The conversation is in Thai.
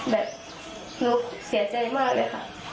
แบบหนูเสียใจมากเลยค่ะ